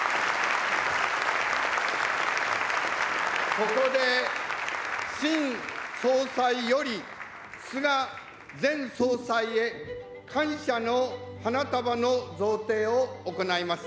ここで、新総裁より、菅前総裁へ、感謝の花束の贈呈を行います。